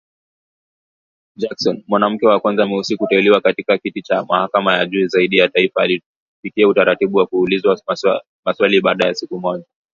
Jackson, mwanamke wa kwanza mweusi kuteuliwa katika kiti cha mahakama ya juu zaidi ya taifa, alifikia utaratibu wa kuulizwa maswali baada ya siku moja